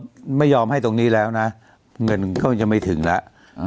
ถ้าไม่ยอมให้ตรงนี้แล้วนะเงินก็จะไม่ถึงแล้ว